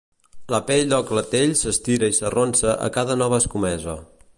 La pell del clatell s'estira i s'arronsa a cada nova escomesa.